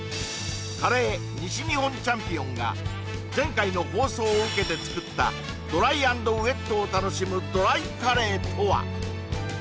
カレー西日本チャンピオンが前回の放送を受けて作ったドライ＆ウェットを楽しむドライカレーとは！？